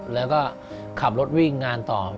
แล้วก็ขับรถวิ่งงานต่อ